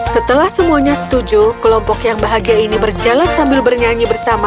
setelah semuanya setuju kelompok yang bahagia ini berjalan sambil bernyanyi bersama